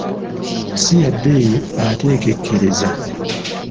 Si ya bbeyi ate ekekereza.